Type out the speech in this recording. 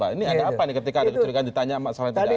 ini ada apa nih ketika ada kecurigaan ditanya masalah yang tidak ada